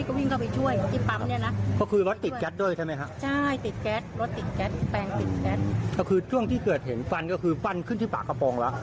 ก็คือตั้งช่วงที่เกิดเห็นฟันก็คือฟันขึ้นสู่ปากกระปองละ